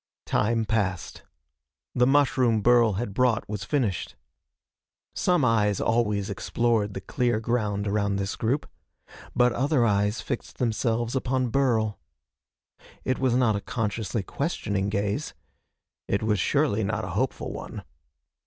Time passed. The mushroom Burl had brought was finished. Some eyes always explored the clear ground around this group. But other eyes fixed themselves upon Burl. It was not a consciously questioning gaze. It was surely not a hopeful one.